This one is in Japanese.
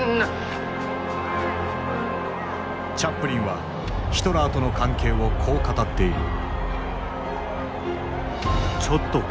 チャップリンはヒトラーとの関係をこう語っている。